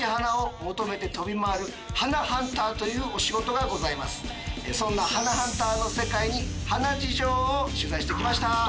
さあ続きましてそんな花ハンターの世界に花事情を取材してきました。